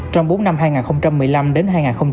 trong bốn năm hai nghìn một mươi năm đến hai nghìn một mươi tám